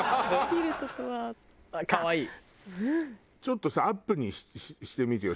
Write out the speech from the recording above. ちょっとさアップにしてみてよ